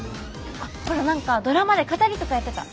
ほら何かドラマで語りとかやってた。